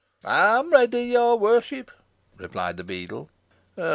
"Ey'm ready, your worship," replied the beadle.